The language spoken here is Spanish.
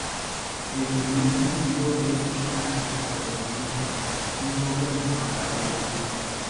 El primer sencillo es Hasta que te conocí, un cover de Juan Gabriel.